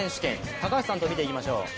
高橋さんとみていきましょう。